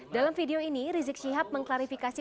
dalam video ini rizik syihab mengklarifikasi